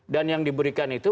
dan yang diberikan itu